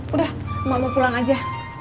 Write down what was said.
udah mau pulang aja